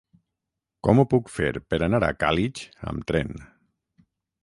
Com ho puc fer per anar a Càlig amb tren?